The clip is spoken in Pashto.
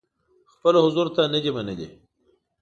خپل حضور ته نه دي منلي.